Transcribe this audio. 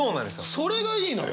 それがいいのよ！